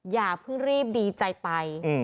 อย่าเพิ่งรีบดีใจไป